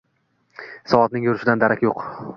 Soatning yurishidan darak yo‘q.